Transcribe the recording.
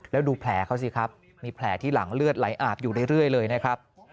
แล้วดูแผลเขาสิครับมีแผลที่หลังเลือดไหลอาบอยู่เรื่อยเลยนะครับ